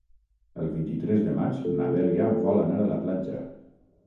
El vint-i-tres de maig na Dèlia vol anar a la platja.